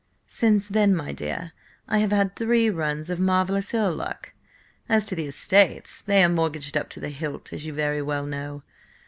"Since then, my dear, I have had three runs of marvellous ill luck. As to the estates, they are mortgaged up to the hilt, as you very well know.